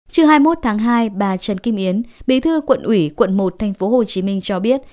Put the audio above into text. trưa hai mươi một tháng hai bà trần kim yến bí thư quận ủy quận một thành phố hồ chí minh cho biết